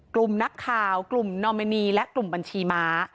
กลุ่มนักข่าวกลุ่มนอมินีและกลุ่มบัญชีม้า